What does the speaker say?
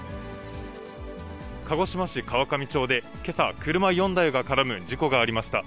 鹿児島市川上町で、けさ車４台が絡む事故がありました。